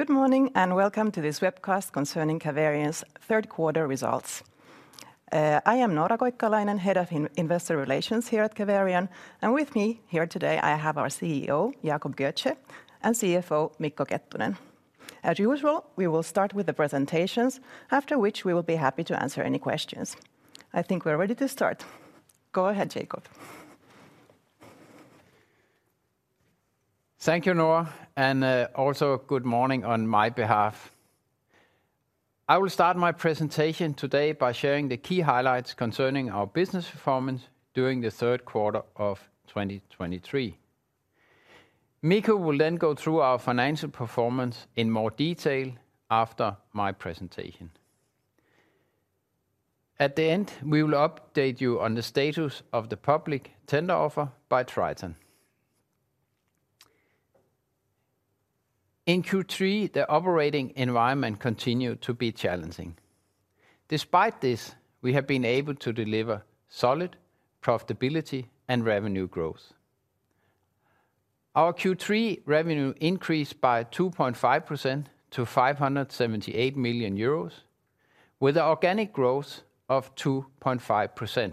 Good morning, and welcome to this Webcast Concerning Caverion's Third Quarter Results. I am Noora Koikkalainen, Head of Investor Relations here at Caverion, and with me here today, I have our CEO, Jacob Götzsche, and CFO, Mikko Kettunen. As usual, we will start with the presentations, after which we will be happy to answer any questions. I think we're ready to start. Go ahead, Jacob. Thank you, Noora, and also good morning on my behalf. I will start my presentation today by sharing the key highlights concerning our business performance during the third quarter of 2023. Mikko will then go through our financial performance in more detail after my presentation. At the end, we will update you on the status of the public tender offer by Triton. In Q3, the operating environment continued to be challenging. Despite this, we have been able to deliver solid profitability and revenue growth. Our Q3 revenue increased by 2.5% to 578 million euros, with an organic growth of 2.5%,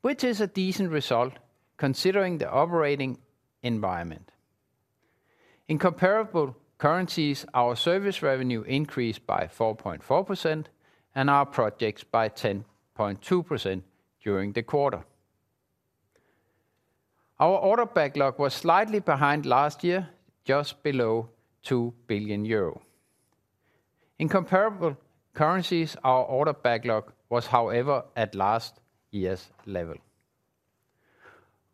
which is a decent result considering the operating environment. In comparable currencies, our service revenue increased by 4.4% and our projects by 10.2% during the quarter. Our order backlog was slightly behind last year, just below 2 billion euro. In comparable currencies, our order backlog was, however, at last year's level.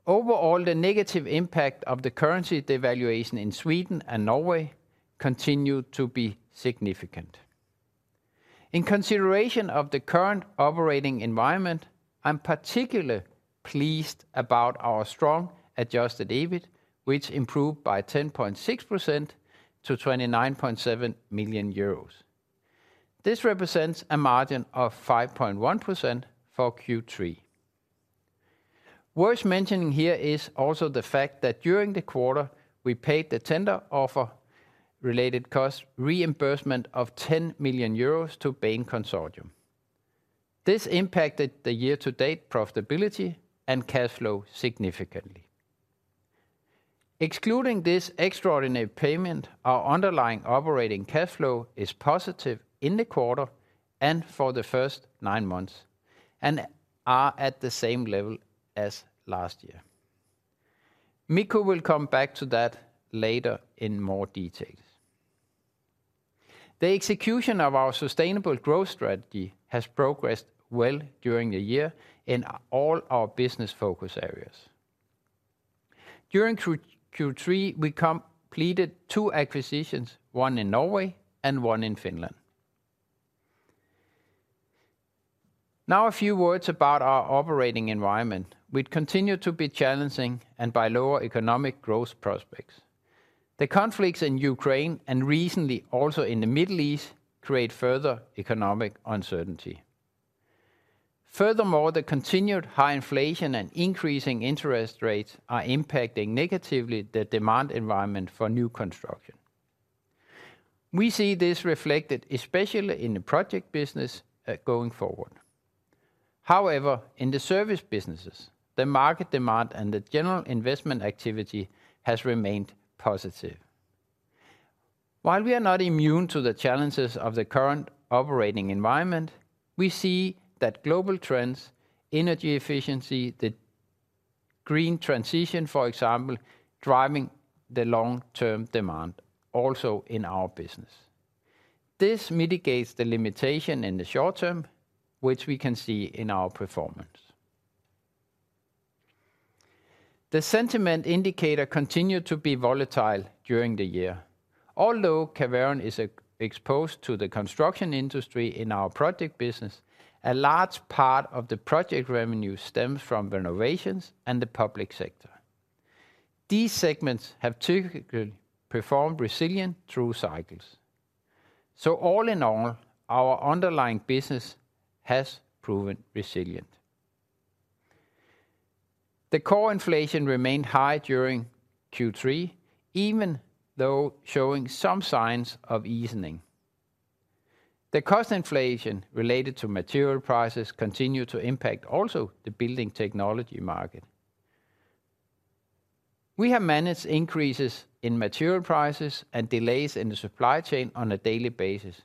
Overall, the negative impact of the currency devaluation in Sweden and Norway continued to be significant. In consideration of the current operating environment, I'm particularly pleased about our strong Adjusted EBIT, which improved by 10.6% to 29.7 million euros. This represents a margin of 5.1% for Q3. Worth mentioning here is also the fact that during the quarter, we paid the tender offer related cost reimbursement of 10 million euros to Bain Consortium. This impacted the year-to-date profitability and cash flow significantly. Excluding this extraordinary payment, our underlying operating cash flow is positive in the quarter and for the first nine months, and are at the same level as last year. Mikko will come back to that later in more details. The execution of our sustainable growth strategy has progressed well during the year in all our business focus areas. During Q3, we completed two acquisitions, one in Norway and one in Finland. Now, a few words about our operating environment, which continues to be challenging, driven by lower economic growth prospects. The conflicts in Ukraine, and recently also in the Middle East, create further economic uncertainty. Furthermore, the continued high inflation and increasing interest rates are impacting negatively the demand environment for new construction. We see this reflected, especially in the project business, going forward. However, in the service businesses, the market demand and the general investment activity has remained positive. While we are not immune to the challenges of the current operating environment, we see that global trends, energy efficiency, the green transition, for example, driving the long-term demand also in our business. This mitigates the limitation in the short term, which we can see in our performance. The sentiment indicator continued to be volatile during the year. Although Caverion is exposed to the construction industry in our project business, a large part of the project revenue stems from renovations and the public sector. These segments have typically performed resilient through cycles. So all in all, our underlying business has proven resilient. The core inflation remained high during Q3, even though showing some signs of easing. The cost inflation related to material prices continued to impact also the building technology market. We have managed increases in material prices and delays in the supply chain on a daily basis,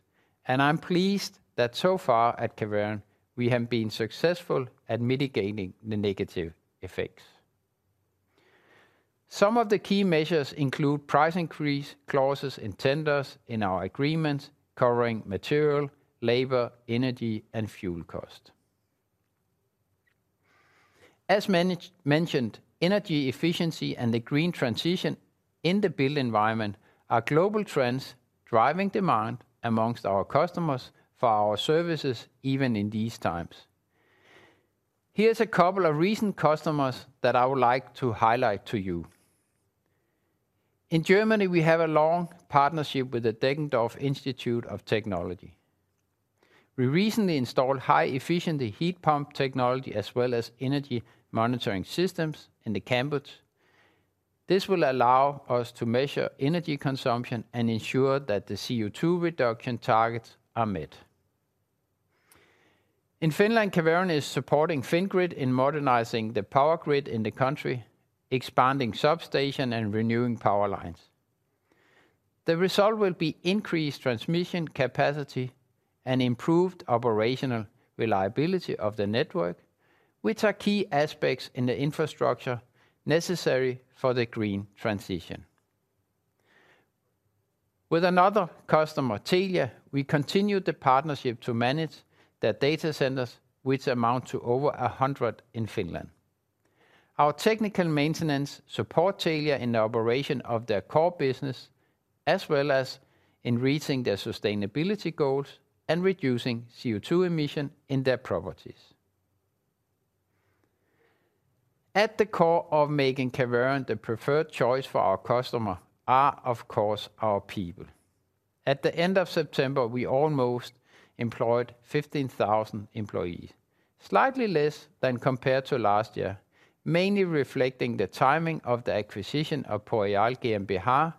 and I'm pleased that so far at Caverion, we have been successful at mitigating the negative effects. Some of the key measures include price increase clauses in tenders in our agreements covering material, labor, energy and fuel cost. As management mentioned, energy efficiency and the green transition in the built environment are global trends, driving demand among our customers for our services, even in these times. Here's a couple of recent customers that I would like to highlight to you. In Germany, we have a long partnership with the Deggendorf Institute of Technology. We recently installed highly efficient heat pump technology as well as energy monitoring systems in the campus. This will allow us to measure energy consumption and ensure that the CO2 reduction targets are met. In Finland, Caverion is supporting Fingrid in modernizing the power grid in the country, expanding substation, and renewing power lines. The result will be increased transmission capacity and improved operational reliability of the network, which are key aspects in the infrastructure necessary for the green transition. With another customer, Telia, we continued the partnership to manage their data centers, which amount to over 100 in Finland. Our technical maintenance support Telia in the operation of their core business, as well as in reaching their sustainability goals and reducing CO2 emission in their properties. At the core of making Caverion the preferred choice for our customer are, of course, our people. At the end of September, we almost employed 15,000 employees, slightly less than compared to last year, mainly reflecting the timing of the acquisition of Porreal GmbH,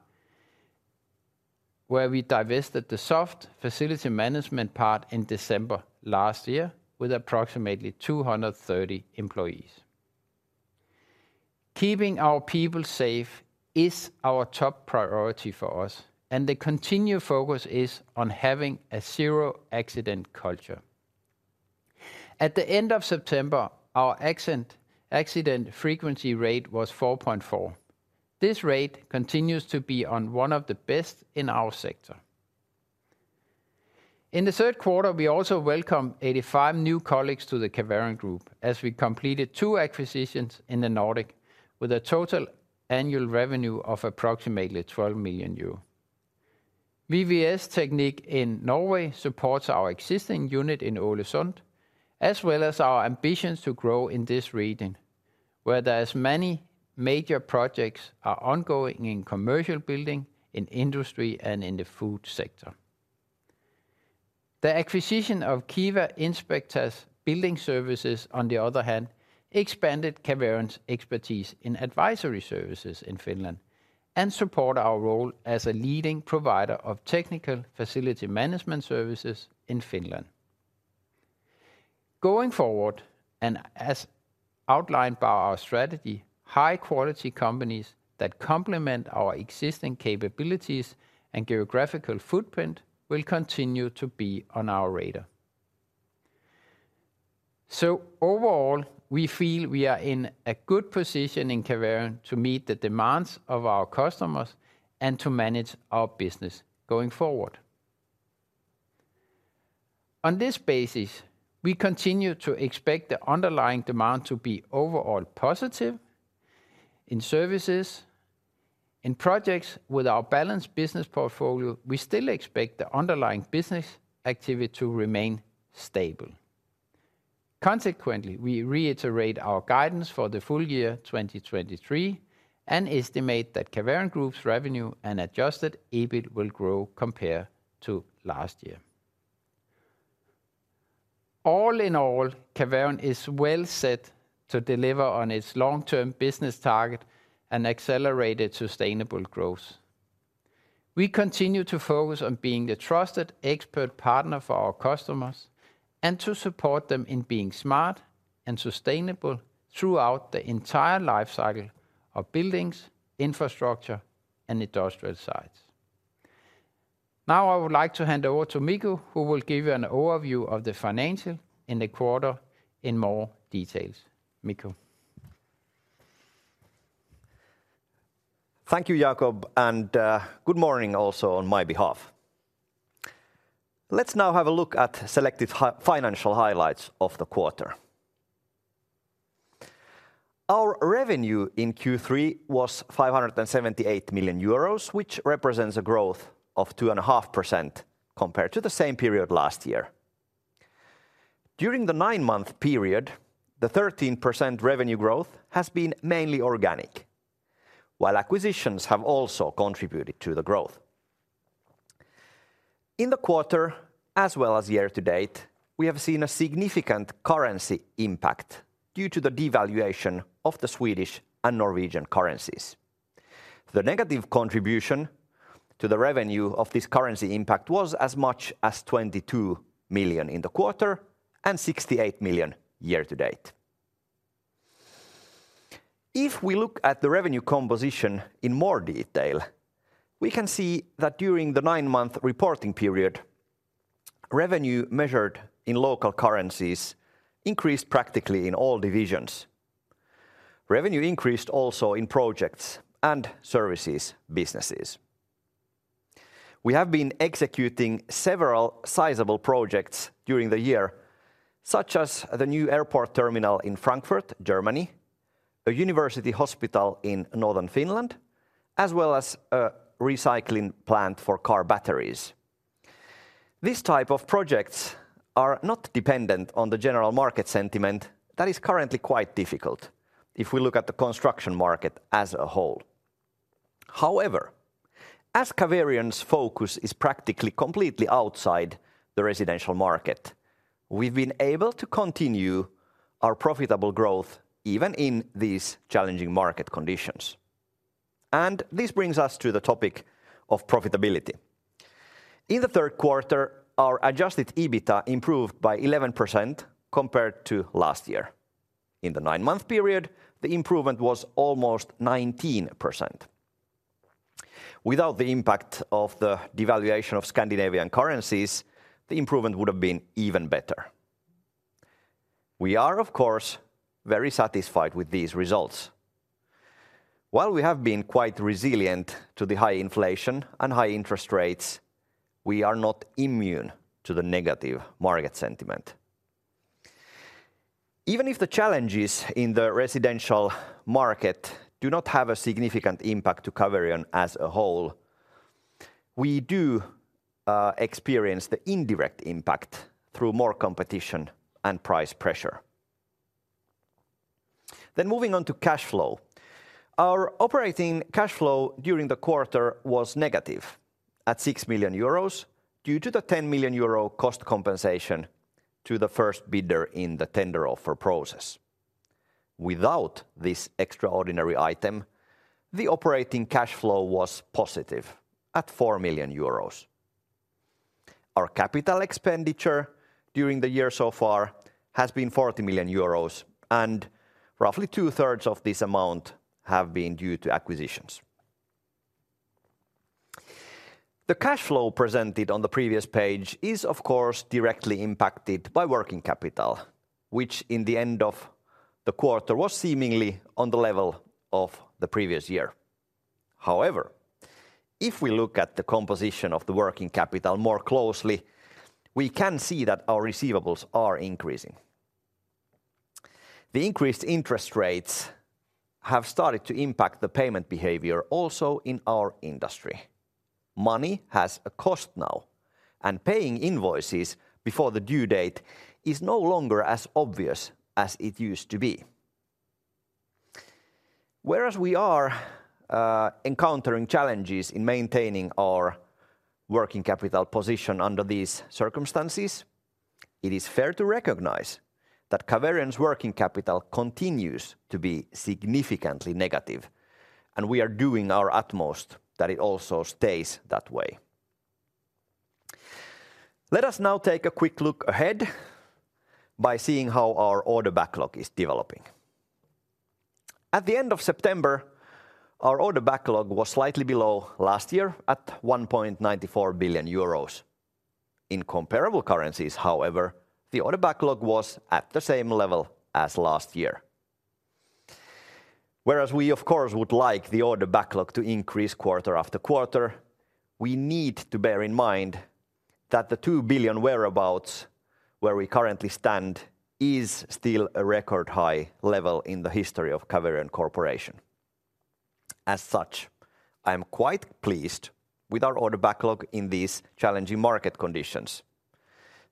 where we divested the soft facility management part in December last year with approximately 230 employees. Keeping our people safe is our top priority for us, and the continued focus is on having a zero-accident culture. At the end of September, our accident frequency rate was 4.4. This rate continues to be on one of the best in our sector. In the third quarter, we also welcomed 85 new colleagues to the Caverion Group as we completed two acquisitions in the Nordic, with a total annual revenue of approximately 12 million euro. VVS Teknikk in Norway supports our existing unit in Ålesund, as well as our ambitions to grow in this region, where there are many major projects ongoing in commercial building, in industry, and in the food sector. The acquisition of Kiwa Inspecta's building services, on the other hand, expanded Caverion's expertise in advisory services in Finland and supports our role as a leading provider of technical facility management services in Finland. Going forward, and as outlined by our strategy, high-quality companies that complement our existing capabilities and geographical footprint will continue to be on our radar. So overall, we feel we are in a good position in Caverion to meet the demands of our customers and to manage our business going forward. On this basis, we continue to expect the underlying demand to be overall positive in services. In projects, with our balanced business portfolio, we still expect the underlying business activity to remain stable. Consequently, we reiterate our guidance for the full year 2023 and estimate that Caverion Group's revenue and Adjusted EBIT will grow compared to last year. All in all, Caverion is well set to deliver on its long-term business target and accelerated sustainable growth. We continue to focus on being the trusted expert partner for our customers and to support them in being smart and sustainable throughout the entire life cycle of buildings, infrastructure, and industrial sites. Now, I would like to hand over to Mikko, who will give you an overview of the financials in the quarter in more detail. Mikko? Thank you, Jacob, and good morning also on my behalf. Let's now have a look at selective financial highlights of the quarter. Our revenue in Q3 was 578 million euros, which represents a growth of 2.5% compared to the same period last year. During the nine-month period, the 13% revenue growth has been mainly organic, while acquisitions have also contributed to the growth. In the quarter as well as year-to-date, we have seen a significant currency impact due to the devaluation of the Swedish and Norwegian currencies. The negative contribution to the revenue of this currency impact was as much as 22 million in the quarter and 68 million year-to-date. If we look at the revenue composition in more detail, we can see that during the nine-month reporting period, revenue measured in local currencies increased practically in all divisions. Revenue increased also in projects and services businesses. We have been executing several sizable projects during the year, such as the new airport terminal in Frankfurt, Germany, a university hospital in northern Finland, as well as a recycling plant for car batteries. This type of projects are not dependent on the general market sentiment. That is currently quite difficult if we look at the construction market as a whole. However, as Caverion's focus is practically completely outside the residential market, we've been able to continue our profitable growth even in these challenging market conditions. This brings us to the topic of profitability. In the third quarter, our Adjusted EBITA improved by 11% compared to last year. In the nine month period, the improvement was almost 19%. Without the impact of the devaluation of Scandinavian currencies, the improvement would have been even better. We are, of course, very satisfied with these results. While we have been quite resilient to the high inflation and high interest rates, we are not immune to the negative market sentiment. Even if the challenges in the residential market do not have a significant impact to Caverion as a whole, we do experience the indirect impact through more competition and price pressure. Then moving on to cash flow. Our operating cash flow during the quarter was negative at 6 million euros due to the 10 million euro cost compensation to the first bidder in the tender offer process. Without this extraordinary item, the operating cash flow was positive at 4 million euros. Our capital expenditure during the year so far has been 40 million euros, and roughly two-thirds of this amount have been due to acquisitions. The cash flow presented on the previous page is, of course, directly impacted by working capital, which in the end of the quarter was seemingly on the level of the previous year. However, if we look at the composition of the working capital more closely, we can see that our receivables are increasing. The increased interest rates have started to impact the payment behavior also in our industry. Money has a cost now, and paying invoices before the due date is no longer as obvious as it used to be. Whereas we are encountering challenges in maintaining our working capital position under these circumstances, it is fair to recognize that Caverion's working capital continues to be significantly negative, and we are doing our utmost that it also stays that way. Let us now take a quick look ahead by seeing how our order backlog is developing. At the end of September, our order backlog was slightly below last year at 1.94 billion euros. In comparable currencies, however, the order backlog was at the same level as last year. Whereas we, of course, would like the order backlog to increase quarter-after-quarter, we need to bear in mind that the 2 billion whereabouts where we currently stand is still a record-high level in the history of Caverion Corporation. As such, I am quite pleased with our order backlog in these challenging market conditions.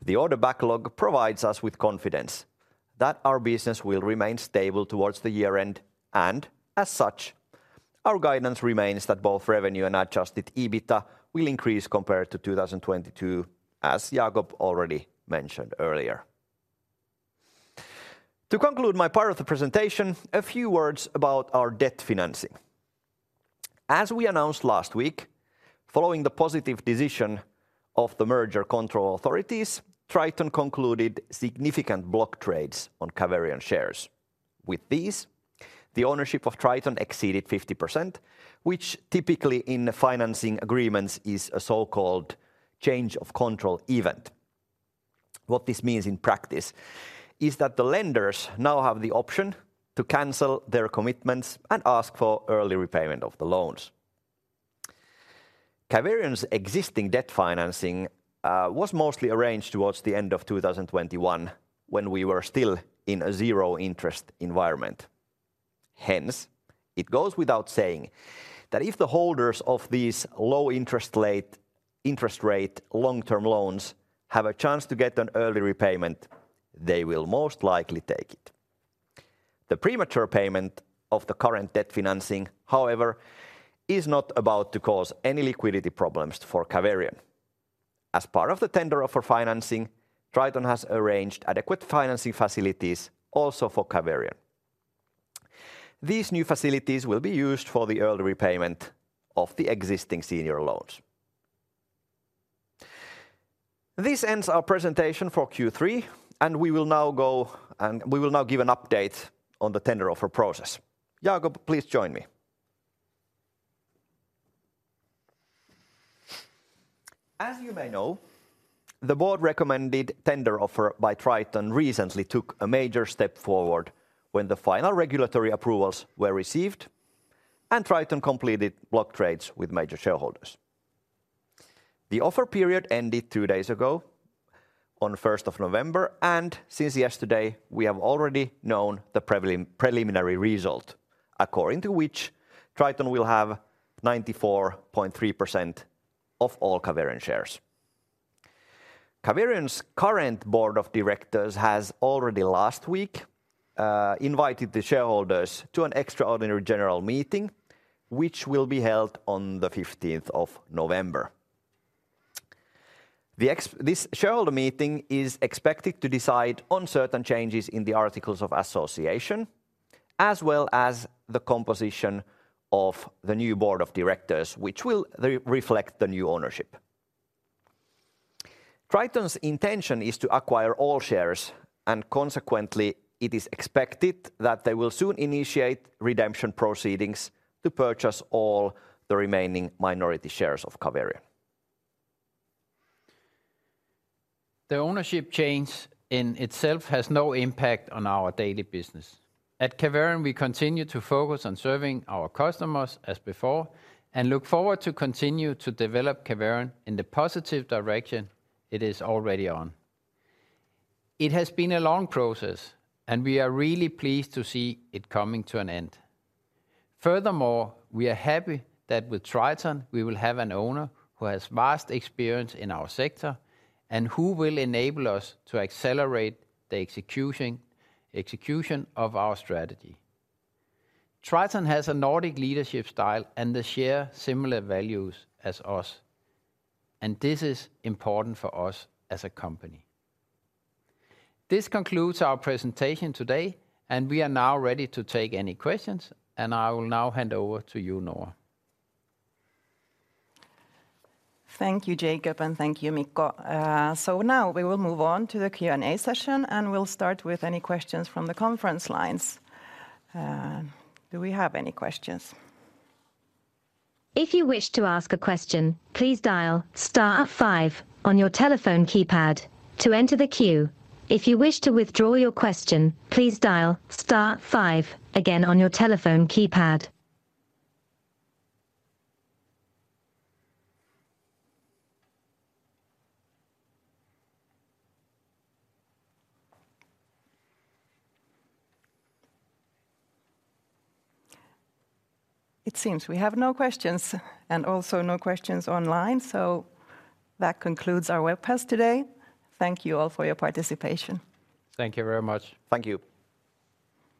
The order backlog provides us with confidence that our business will remain stable towards the year end, and as such, our guidance remains that both revenue and Adjusted EBITA will increase compared to 2022, as Jacob already mentioned earlier. To conclude my part of the presentation, a few words about our debt financing. As we announced last week, following the positive decision of the merger control authorities, Triton concluded significant block trades on Caverion shares. With these, the ownership of Triton exceeded 50%, which typically in the financing agreements is a so-called change-of-control event. What this means in practice is that the lenders now have the option to cancel their commitments and ask for early repayment of the loans. Caverion's existing debt financing was mostly arranged towards the end of 2021, when we were still in a zero-interest environment. Hence, it goes without saying that if the holders of these low-interest-rate, long-term loans have a chance to get an early repayment, they will most likely take it. The premature payment of the current debt financing, however, is not about to cause any liquidity problems for Caverion. As part of the tender offer for financing, Triton has arranged adequate financing facilities also for Caverion. These new facilities will be used for the early repayment of the existing senior loans. This ends our presentation for Q3, and we will now give an update on the tender offer process. Jacob, please join me. As you may know, the board-recommended tender offer by Triton recently took a major step forward when the final regulatory approvals were received and Triton completed block trades with major shareholders. The offer period ended two days ago, on first of November, and since yesterday, we have already known the preliminary result, according to which Triton will have 94.3% of all Caverion shares.... Caverion's current board of directors has already last week invited the shareholders to an extraordinary general meeting, which will be held on the fifteenth of November. This shareholder meeting is expected to decide on certain changes in the articles of association, as well as the composition of the new board of directors, which will reflect the new ownership. Triton's intention is to acquire all shares, and consequently, it is expected that they will soon initiate redemption proceedings to purchase all the remaining minority shares of Caverion. The ownership change in itself has no impact on our daily business. At Caverion, we continue to focus on serving our customers as before and look forward to continue to develop Caverion in the positive direction it is already on. It has been a long process, and we are really pleased to see it coming to an end. Furthermore, we are happy that with Triton, we will have an owner who has vast experience in our sector, and who will enable us to accelerate the execution of our strategy. Triton has a Nordic leadership style and they share similar values as us, and this is important for us as a company. This concludes our presentation today, and we are now ready to take any questions, and I will now hand over to you, Noora. Thank you, Jacob, and thank you, Mikko. So now we will move on to the Q&A session, and we'll start with any questions from the conference lines. Do we have any questions? If you wish to ask a question, please dial star five on your telephone keypad to enter the queue. If you wish to withdraw your question, please dial star five again on your telephone keypad. It seems we have no questions and also no questions online, so that concludes our webcast today. Thank you all for your participation. Thank you very much. Thank you.